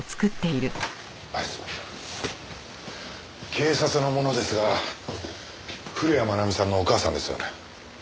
警察の者ですが古谷愛美さんのお母さんですよね？